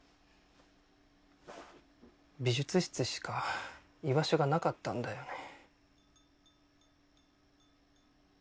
美術室しか居場所がなかったんだよね。